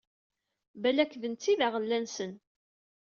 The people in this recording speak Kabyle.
Blek, d netta i d aɣella-nsen.